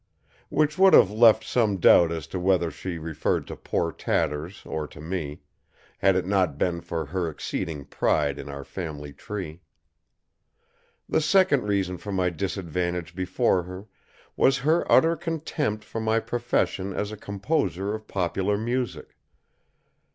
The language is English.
Which would have left some doubt as to whether she referred to poor Tatters or to me, had it not been for her exceeding pride in our family tree. The second reason for my disadvantage before her, was her utter contempt for my profession as a composer of popular music.